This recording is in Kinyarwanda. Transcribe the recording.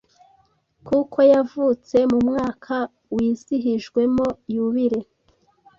kuko yavutse mu mwaka wizihijwemo Yubile